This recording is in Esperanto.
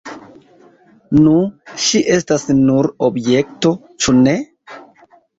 Nu, ŝi estas nur objekto, ĉu ne?